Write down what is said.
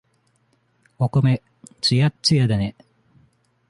お米、つやっつやだね。